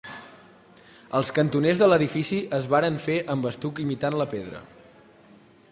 Els cantoners de l'edifici es varen fer amb estuc imitant la pedra.